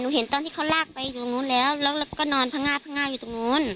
เห็นตอนที่เขาลากไปอยู่ตรงนู้นแล้วแล้วก็นอนพังงาดพังงาอยู่ตรงนู้น